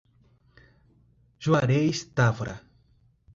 Juarez Távora